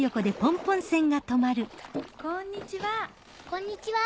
こんにちは。